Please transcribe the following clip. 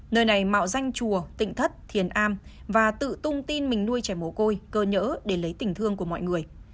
nơi này mạo danh chùa tỉnh thất thiền am và tự tung tin mình nuôi trẻ mổ côi cơ nhỡ để lấy tỉnh thương của mọi người